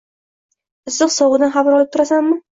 Issiq-sovug`idan xabar olib turasanmi